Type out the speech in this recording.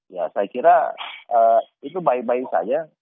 ya saya kira itu baik baik saja